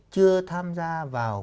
chưa tham gia vào